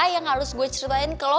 yang harus gue ceritain ke lo